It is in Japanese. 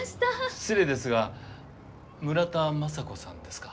失礼ですが村田正子さんですか？